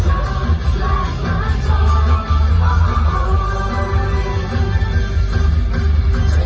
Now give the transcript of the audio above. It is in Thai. จากที่มันเยาว์จูบมันกลายกลับมา